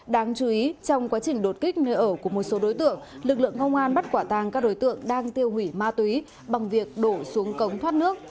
đáng chú ý trong quá trình đột kích nơi ở của một số đối tượng lực lượng công an bắt quả tàng các đối tượng đang tiêu hủy ma túy bằng việc đổ xuống cống thoát nước